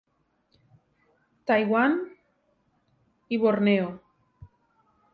Taiwan i Borneo.